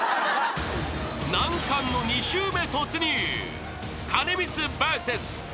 ［難関の２周目突入］